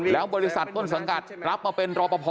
แล้วบริษัทต้นสังกัดรับมาเป็นรอปภ